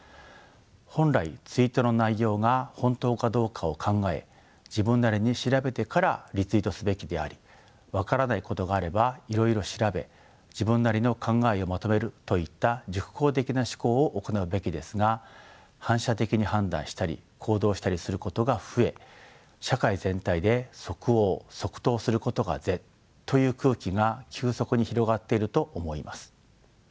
本来ツイートの内容が本当かどうかを考え自分なりに調べてからリツイートすべきであり分からないことがあればいろいろ調べ自分なりの考えをまとめるといった熟考的な思考を行うべきですが反射的に判断したり行動したりすることが増え社会全体で即応即答することが是という空気が急速に広がっていると思います。